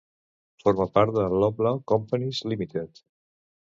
Forma part de Loblaw Companies Limited.